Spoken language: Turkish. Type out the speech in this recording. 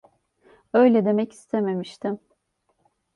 Öyle demek istememiştim.